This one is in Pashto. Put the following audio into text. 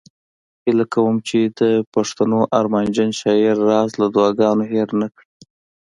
هیله کوم چې د پښتنو ارمانجن شاعر راز له دعاګانو هیر نه کړي